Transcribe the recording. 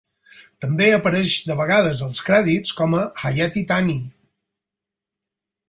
També apareix de vegades als crèdits com a Hayati Tani.